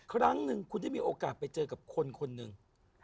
ครั้งหนึ่งคุณได้มีโอกาสไปเจอกับคนคนหนึ่ง